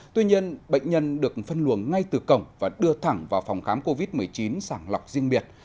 tuy nhiên bệnh nhân được phân luồng ngay từ cổng và đưa thẳng vào phòng khám covid một mươi chín sảng lọc riêng biệt